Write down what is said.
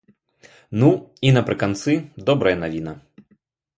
Ну і напрыканцы добрая навіна.